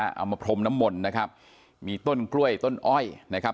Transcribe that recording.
เอามาพรมน้ำมนต์นะครับมีต้นกล้วยต้นอ้อยนะครับ